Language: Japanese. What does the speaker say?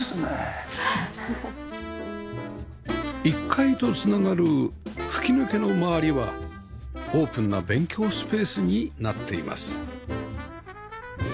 １階と繋がる吹き抜けの周りはオープンな勉強スペースになっています